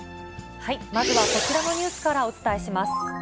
まずはこちらのニュースからお伝えします。